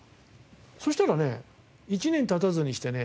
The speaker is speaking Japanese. そうしたらね１年経たずにしてね